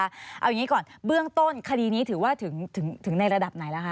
เอาอย่างนี้ก่อนเบื้องต้นคดีนี้ถือว่าถึงในระดับไหนแล้วคะ